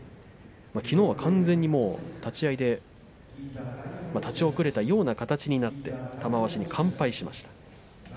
きのうは完全に、立ち合いで立ち遅れたような形になって玉鷲に完敗しました。